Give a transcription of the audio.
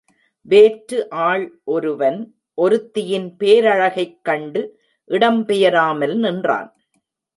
வேற்று ஆள் ஒருவன் ஒருத்தியின் பேரழகைக் கண்டு இடம் பெயராமல் நின்றான்.